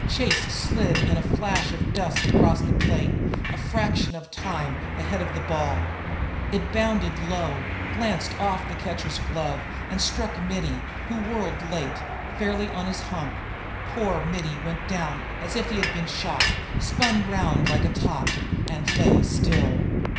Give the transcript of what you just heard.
Chase slid in a flash of dust across the plate, a fraction of time ahead of the ball. It bounded low, glanced off the catcher's glove, and struck Mittie, who whirled late, fairly on his hump. Poor Mittie went down as if he had been shot, spun round like a top, and lay still.